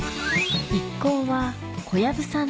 一行は小籔さん